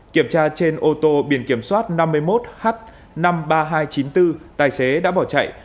kiểm tra trên ô tô biển kiểm soát năm mươi một h năm mươi ba nghìn hai trăm chín mươi bốn tài xế đã bỏ chạy